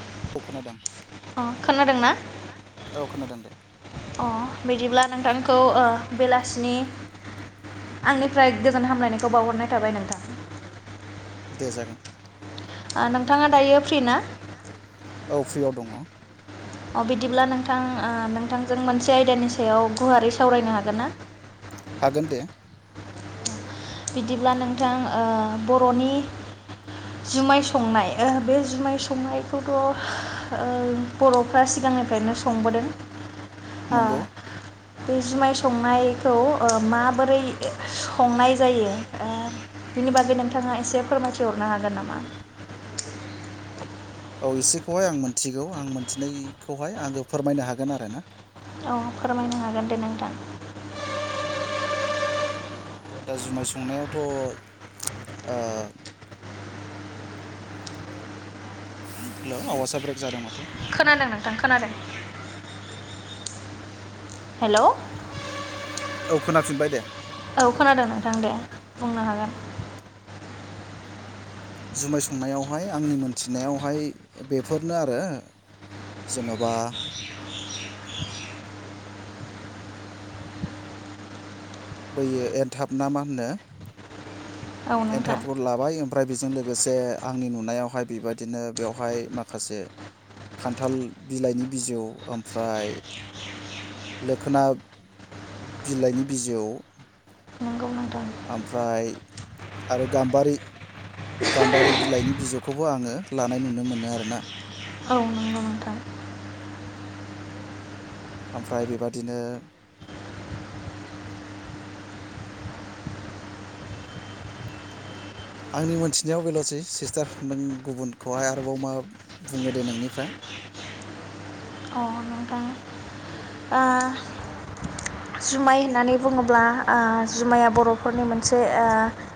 Hello अ खोनादो आं दोंना? अ बिदिब्ला नोंथांखौ ओ बेलासिनि आंनि फ्राय गोजान हामलायनायखौ बावहरनाय थाबाय नोंथां दे जागोन ओ नोंथाङा दायो फ्रि ना फ्रियाव दङ' अ बिदिब्ला नोंथां नोंथांजों मोनसे आयदानि सायाव गुवारै सावरायनो हागोन ना? हागोन दे बिदिब्ला नोंथां ओ बर'नि जुमाय संनाय ओ बे जुमाय संनायखौथ' ओ बर'फ्रा सिगांनिफ्रायनो संबोदों ओ बे जुमाय संनायखौ ओ माबोरै संनाय ज जायो ओ बिनि बागै नोंथाङा एसे फोरमायथिहरनो हागोन नामा? औ एसेखौहाय आं मोनथिगौ आं मोनथिनायखौहाय आङो फोरमायनो हागोन आरो ना औ फोरमायनो हागोन दे नोंथां दा जुमाय संनायावथ' ओ हेलौ आवासआ ब्रेक जादों माथो? खोनादों नोंथां खोनादों हेलौ हेलौ औ खोनाफिनबाय दे। औ खोनादों नोंथां दे बुंनो हागोन जुमाय संनायावहाय आंनि मोनथिनायावहाय बेफोरनो आरो जेनब बा बैयो एनथाब ना मा होननो एन्थाबफोर लाबाय ओमफ्राय बेजों लोगोसे आंनि नुनायावहाय बेबायदिनो बेवहाय माखासे खान्थाल बिलाइनि बिजौ ओमफ्राय लोखोना बिलाइनि बिजौ आमफ्राय आरो गाम्बारि-गाम्बारि बिलाइनि बिजौखौबो आङो लानाय नुनो मोनो आरोना। ओमफ्राय बेबादिनो आंनि मोनथिनायाव बेल'सै सिस्टार नों गुबुनखौहाय आरोबाव मा बुङो दे नोंनिफ्राय? जुमाय होननानै बुङोब्ला ओ जुमाया बर'फोरनि मोनसे ओ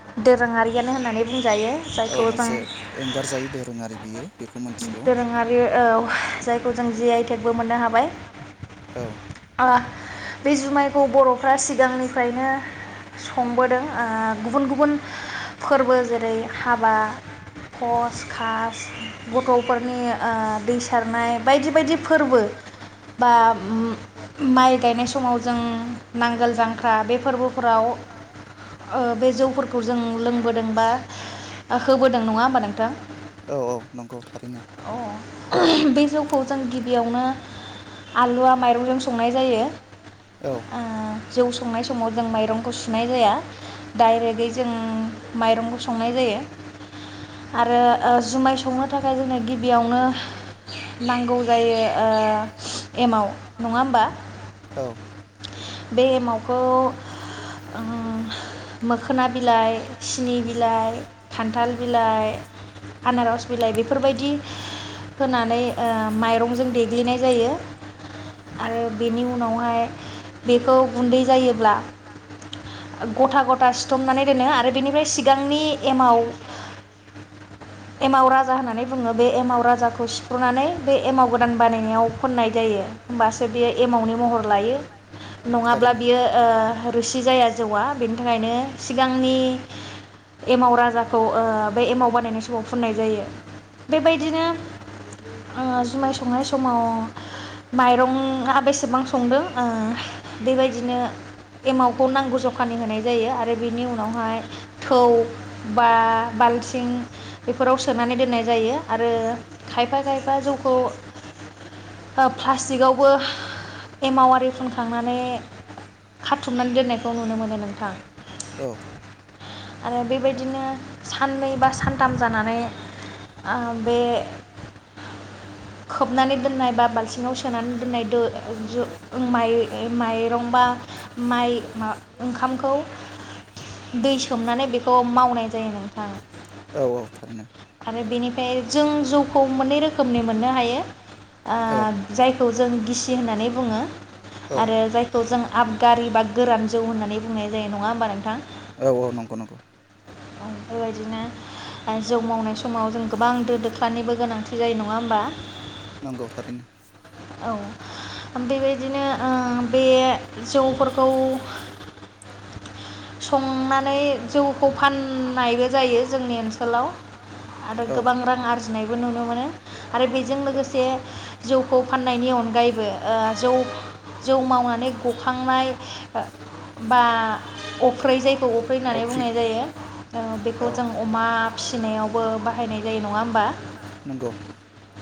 दोरोङारियानो होननानै बुंजायो। औ मोनसे एंगार जायि दोरोङारि बियो दोरोङारि औ जायखौ जों जि आइटेकबो मोननो हाबाय ओ बे जुमाय खौ बर'फ्रा सिगांनिफ्रायनो संबोदों ओ गुबुन गुबुन फोरबो जेरै हाबा, खस, खास [unintelligible] फोरनि ओ दै सारनाय बायदि बायदि फोरबो बा उम माइ गायनाय समाव जों नांगोल जांख्रा बे फोरबोफोराव ओ बे जौफोरखौ जों लोंबोदों बा होबोदों नङा होमबा नोंथां? औ औ नं अ [unintelligible] बे जौखौ जों गिबियावनो आलुआ माइरंजों संनाय जायो ओ ओ जौ संनाय समाव जों माइरंखौ सुनाय जाया दडाइरेक्टै जों माइरंखौ संनाय जायो आरो जुमाय ओ संनो जुुमाय संनो थाखाय जोंनो गिबियावनो नांगौ जायो ओ एमाव नंङा होमबा औ। बे एमावखौ ओ मोखोना बिलाइ सिनि बिलाइ खान्थाल बिलाइ आनारस बिलाइ बेफोरबायदि होनानै ओ माइरंजों देग्लिनाय जायो आरो बिनि उनावहाय बेखौ गुन्दै जायोब्ला गथा गथा सिथमनानै दोनो आरो बेनिफ्राय सिगांनि एमाव एमाव राजा होननानै बुंङो बे एमाव राजाखौ सिफ्रुनानै बे एमाव गोदान बानायनायाव फोननाय जायो होमबासो बेयो एमावनि महर लायो। नंङाब्ला बियो ओ रोसि जाया जौआ बेनि थाखायनो सिगांनि एमाव राजाखौ ओ बे एमाव बानायनाय समाव फुननाय जायो बेबायदिनो ओ जुमाय संनाय समाव माइरंआ बेसेबां संदों ओ बेबायदिनो एमावखौ नांगौ जखानि होनाय जायो आरो बिनि उनावहाय थौ बा बाल्थिं बेफोराव सोनानै दोननाय जायो आरो खायफा खायफा जौखौ प्ला प्लास्टिकआवबो एमाव आरि खाथुमनानै दोननायखौ नुनो मोनो नोंथां आरो बेबायदिनो साननै बा सानथाम जानानै ओ बे खोबनानै दोननाय बा बाल्थिङाव सोनानै दोननाय दो जो माइरं बा माइ मा ओंखामखौ दै सोमनानै बेखौ मावनाय जायो नोंथां आरो बिनिफ्राय जों जौखौ मोननै रोखोमनि मोननो हायो ओ जायखौ जों गिसि होननानै बुंङो। आरो जायखौ जों आबगारि बा गोरान जौ होननानै बुंनाय जायो नंङा होमबा नोंथां औ। बेबायदिनो आ जौ मावनाय सम समाव जों गोबां दो दोख्लानिबो गोनांथि जायो नंङा होमबा नंगौ थारैनो। औ ओम बेबायदि। बिदिनो ओ बे जौफोरखौ संनानै जौखौ फाननायबो जायो जोंनि ओनसोलाव आरो गोबां रां आरजिनायबो नुनो मोनो आरो बेजों लोगोसे जौखौ फाननायनि अनगायैबो ओ जौ जौ जौ मावनानै गखांनाय ओ बा अफ खौ औफ्रि होननानै बुंनाय जायो ओ बेखौ जों अमा फिसिनायावबो बाहायनाय जायो नंङा होमबा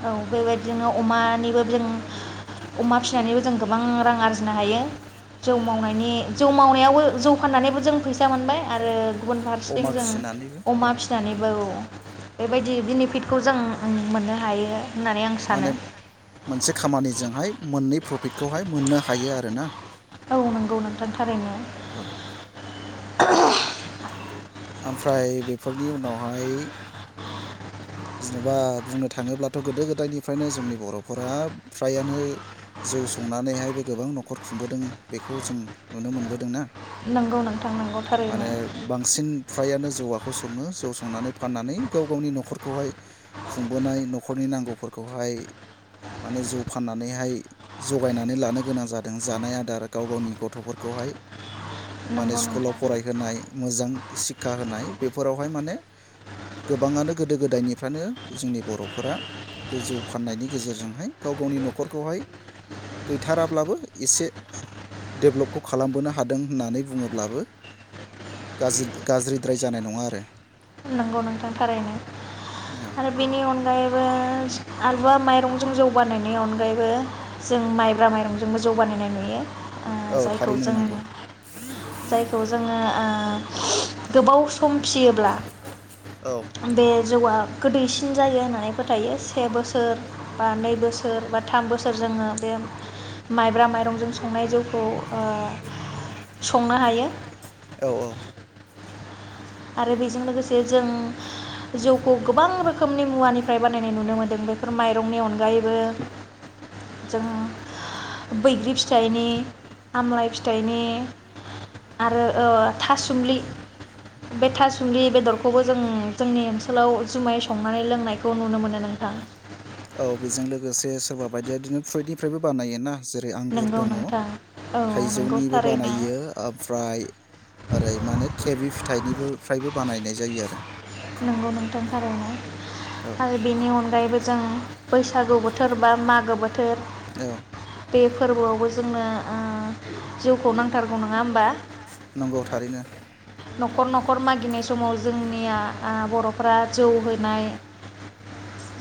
औ बेबायदिनो अमनिबो जों अमा फिनानैबो जों गोबां रां आरजिनो हायो जौ मावनायनि जौ मावनायावबो जौ फाननानैबो जों फैस फैसा मोनबाय आरो गुबुन फारसेथिं जों अमा फिनानैबो बेबायदि बिनिफिटखौ जों मोननो हायो होननानै आं सानो नि प्रफिटखौहाय मोननो हायो आरोना। औ नोंगौ नोंथां थारैनो। ओमफ्राय बेफोरनि उनावहाय जेन'बा बुंनो थाङोब्लाथ' गोदो गोदायनिफ्रायनो जोंनि बर'फोरा फ्रायानो जौ संनानैहायबो गोबां न'खर खुंबोदों बेखौ जों नुनो मोनबोदोंना नोंगौ नोंथां नोंगौ थारैनो। खौ संङो जौ संनानै फाननानै गाव गावनि न'खर खौहाय खुंबोनाय न'खरनि नांगौफोरखौहाय माने जौ फाननानैहाय जगायनानै लानो गोनां जादों जानाय आदार गाव गावनि गथ'फोरखौहाय माने स्कुलाव फरायहोनाय मोजां सिक्षा होनाय बेफोरावहाय माने गोबांङानो गोदो गोदायनिफ्रानो जोंनि बर'फोरा बे जौ फाननायनि गेजेरजोंहाय गाव गावनि न'खरखौहाय गैथाराब्लाबो एसे डेभ्लपखौ खालामबोनो हादों होननानै बुङोब्लाबो गाज्रिद गाज्रिद्राय जानाय नंङा आरो। नोंगौ नोंथां। थारैनो आरो बिनि अन गायैबो आल बा माइरंजों जौ बानायनि अनगायैबो जों माइब्रा माइरंजोंबो जौ बानायनाय नुयो ओ जायखौ जों जायखौ जोंङो ओ गोबाव सम फियोब्ला औ, औ औ। आरो बेजों लोगोसे जों जौखौ गोबां रोखोमनि मुवानिफ्राय बानायनाय नुनो मोनदों बेफोर माइरंनि अनगायैबो जों बैग्रि फिथाइनि आमलाइ फिथाइनि आरो ओ थासुमलि औ बेजों लो लोगोसे सोरबा बायदिया बिदिनो फ्रुइदनिफ्रायबो बानायो ना। जेरै आंगुर दङ थाइजौनिबो बानायो ओमफ्राय ओरै मा होनो केबि फ्राइबो बानायनाय जायो आरो। नोंगौ नोंथां थारैनो। आरो बेनि अनगायैबो जों बैसागु बोथोर बा मागो बोथोर बेफो फोरबोआवबो जोंनो ओ जौ खौ नांथारगौ नङा होमबा? न'खर न' खर मागिनाय समाव जोंनिया बर' फोरा जौ होनाय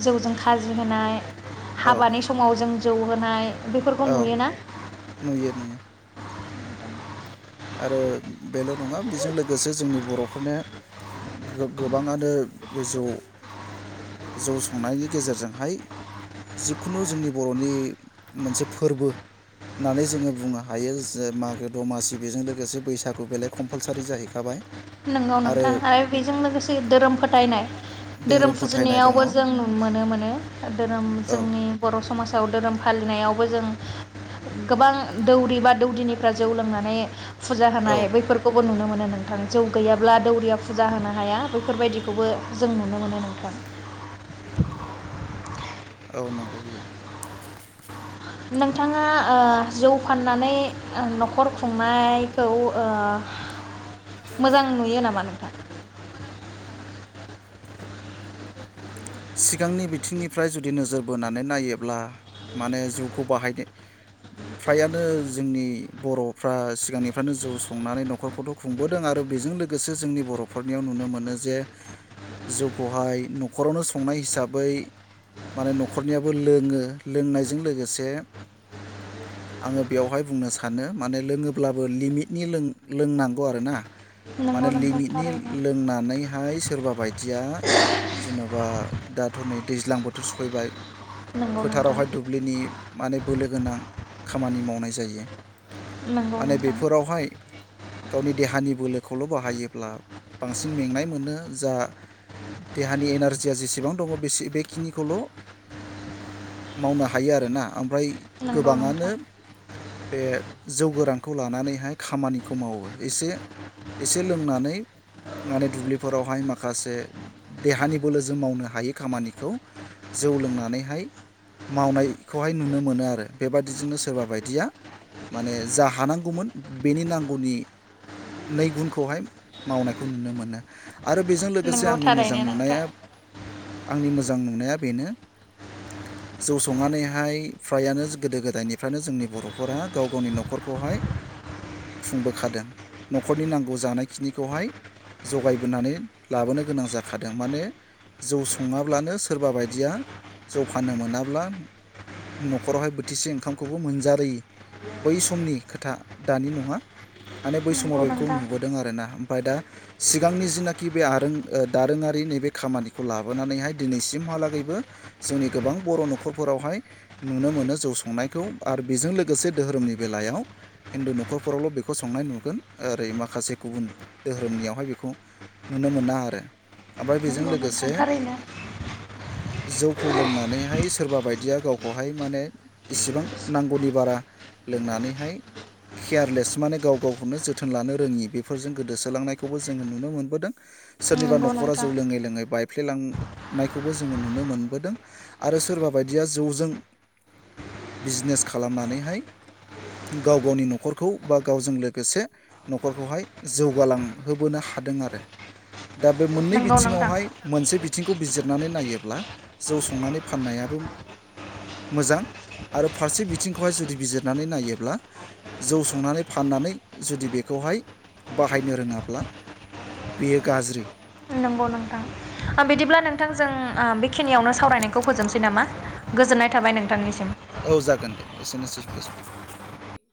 जौजों खाजि होनाय हाबानि समाव जों जौ होनाय बेफोरखौ नुयो ना? आरो बेल' नङा बेजों लोगोसे जोंनि बर'फोरनो गो-गोबाङानो जौ जौ संनायनि गेजेरजोंहाय जिखुनु जोंनि बर'नि मोनसे फोरबो होननानै जोङो बुंनो हायो जे मागो दमासि बेजों लोगोसे बैसागु बेलाय कम्पालसारि जाहैखाबाय। नोंगौ नोंथां आरो बेजों लोगोसे धोरोम फोथायनाय, धोरोम फुजिनायावबो जों नुनो मोनो मोनो धोरोम जोंनि बर' समाज आव धोरोम फालिनायावबो जों गोबां दौरि बा दौदिनिफ्रा जौ लोंनानै फुजा होनाय बैफोरखौबो नुनो मोनो। नोंथां जौ गैयाब्ला दौरिया फुजा होनो हाया बैफोरबायदिखौबो जों नुनो मोनो नोंथां। औ नंगौ बियो। नोंथाङा ओ जौ फाननानै ओ न' जौ फाननानै न'खर खुंनायखौ ओ मोजां नुयो नामा नोंथां? [inaudible] सिगांनि बिथिंनिफ्राय जुदि नोजोर बोनानै नायोब्ला माने जौखौ बाहायनो फ्रायानो जोंनि बर'फ्रा सिगांनिफ्रायनो जौ संनानै न'खरखौथ' खुंबोदों आरो बेजों लोगोसे जोंनि बर'फोरनियाव नुनो मोनो जे जौखौहाय न'खरावनो सं संनाय हिसाबै माने न'खरनियाबो लोङो लोंनायजों लोगोसे आङो बेवहाय बुंनो सानो माने लोङोब्लाबो लिमिटनि लों-लोंनांगौ आरोना। माने लिमिटनि लोंनानै हाय सोरबा बायदिया जेन'बा दाथ' नै दैज्लां बोथोर सफैबाय। फोथारावहाय दुब्लिनि माने बोलो गोनां खामानि मावनाय जायो माने बेफोरावहाय गावनि देहानि बोलोखौल' बाहायोब्ला बांसिन मेंनाय मोनो जा देहानि एनारजिया जेसेबां बेसेबां दङ बेसे बेखिनिखौल' मावनो हायो आरोना, ओमफ्राय। नोंगौ नोंथां। बे जौ गोरानखौ लानानैहाय खामानिखौ मावो एसे एसे लोंनानै। माने दुब्लिफोरावहाय माखासे देहानि बोलो जों मावनो हा हायै खामानिखौ जौ लोंनानैहाय मावनायखौहाय नुनो मोनो आरो बेबायदिजोंनो सोरबा बायदिया माने जा हानांगौमोन बेनि नांगौनि नै गुनखौहाय मावनायखौ नुनो मोनो। आरो बेजों लोगोसे आंनि मोजां नुनाया। आंनि मोजां नुनाया बेनो जौ संनानैहाय फ्रायानो गोदो गोदायनिफ्रायनो जोंनि बर'फोरा गाव गावनि न'खरखौहाय खुंबोखादों। न'खरनि नांगौ जानायखिनिखौहाय जगायबोनानै लाबोनो गोनां जाखादों। माने जौ सङाब्लानो सोरबा बायदिया जौ फाननो मोनाब्ला न'खरावहाय बोथिसे ओंखामखौबो मोनजारि। बै समनि खोथा दानि नङा। माने बै सम समाव बेखौ नुबोदों आर ना ओमफ्राय दा सिगांनि जिनाखि बे आरोन दारोङारि नैबे खामानि खौ लाबोनानैहाय दिनैसिमहा लागैबो जोंनि गोबां बर' न'खरफोरावहाय नुनो मोनो जौ संनायखौ। आरो बेजों लोगोसे धोहोरोमनि बेलायाव हिन्दु न'खरफोरावल' बेखौ संनाय नुगोन। ओरै माखासे गुबुन दोहोरोमनियावहाय बेखौ नुनो मोना आरो ओमफ्राय बेजों लोगो थांथारैनो। जौखौ लोंनानैहाय सोरबा बायदिया गावखौहाय माने इसिबां नांगौनि बारा लोंनानैहाय केयारलेस माने गाव गावखौनो जोथोन लानो रोङि। बेफोरजों गोदोसोलांनायखौबो जोङो नुनो मोनबोदों ‌। सोरनिबा नखरा जौ लोङै लोङै। बायफ्लेलांनायखौबो जोङो नुनो मोनबोदों। आरो सोरबा बायदिया जौजों बिजनेस खालामनानैहाय गाव गावनि न'खरखौ बा गावजों लोगोसे न'खरखौहाय जौगालांहोबोनो हादों आरो। दा बे मोननै बिथिङावहाय मोनसे बिथिंखौ बिजिरनानै नायोब्ला। जौ संनानै फाननायाबो मोजां आरो फारसे बिथिंखौहाय जुदि बिजिरनानै नायोब्ला जौ संनानै फाननानै जुदि बेखौहाय बाहायनो रोङाब्ला बेयो गाज्रि। नोंगौ नोंथां। औ जागोन दे। एसेनोसै गोजोनथों।